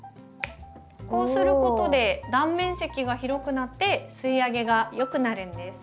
こうすることで断面積が広くなって吸いあげがよくなるんです。